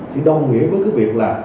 thì đồng nghĩa với cái việc là